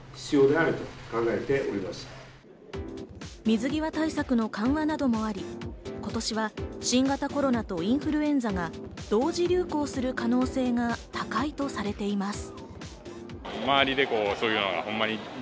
水際対策の緩和などもあり、今年は新型コロナとインフルエンザが同時流行する可能性が高いとされています。